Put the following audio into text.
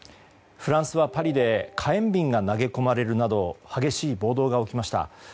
フランスはパリで火炎瓶が投げ込まれるなど激しい暴動が起きました。